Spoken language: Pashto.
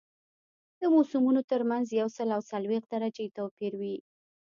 د موسمونو ترمنځ یو سل او څلوېښت درجې توپیر وي